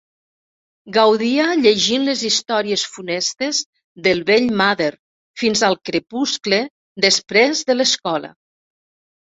Gaudia llegint les històries funestes del vell Mather fins al crepuscle després de l'escola.